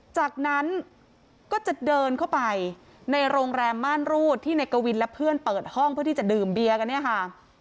จากนั้นก็จะเดินเข้าไปในโรงแรมม่านรูดที่นายกวินและเพื่อนเปิดห้องเพื่อที่จะดื่มเบียร์กันเนี่ยค่ะ